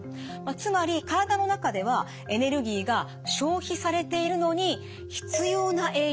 つまり体の中ではエネルギーが消費されているのに必要な栄養が入ってこない。